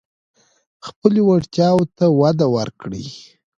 خپلو وړتیاوو ته وده ورکړئ.